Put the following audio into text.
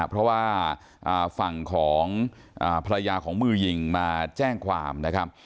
เพราะว่าฝั่งของภรรยาของมือยิงมาแจ้งความนะครับ